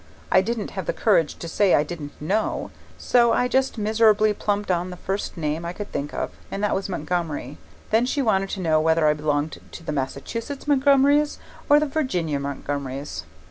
I didn't have the courage to say I didn't know, so I just miserably plumped on the first name I could think of, and that was Montgomery. Then she wanted to know whether I belonged to the Massachusetts Montgomerys or the Virginia Montgomerys.